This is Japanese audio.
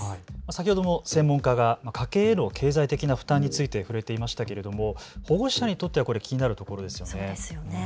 先ほども専門家が家計への経済的な負担について触れていましたけれども保護者にとって気になるところですよね。